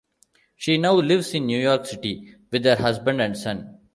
She now lives in New York City with her husband and son.